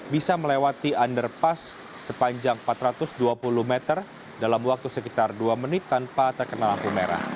bisa melewati underpass sepanjang empat ratus dua puluh meter dalam waktu sekitar dua menit tanpa terkena lampu merah